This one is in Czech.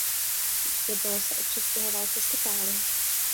Jednalo se o přistěhovalce z Itálie.